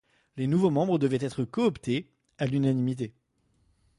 Les nouveaux membres devaient être cooptés, à l'unanimité.